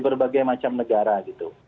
berbagai macam negara gitu